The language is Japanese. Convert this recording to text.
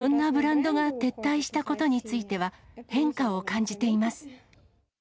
ロシアからいろんなブランドが撤退したことについては、変化を感じています。